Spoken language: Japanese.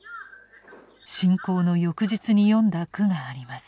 侵攻の翌日に詠んだ句があります。